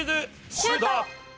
シュート！